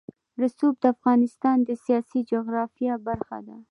رسوب د افغانستان د سیاسي جغرافیه برخه ده.